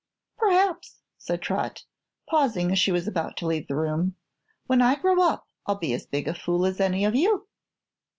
"Perhaps," said Trot, pausing as she was about to leave the room, "when I grow up I'll be as big a fool as any of you."